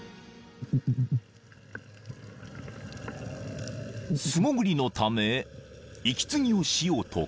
［素潜りのため息継ぎをしようと海面へ］